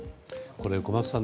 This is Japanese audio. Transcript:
これ、小松さん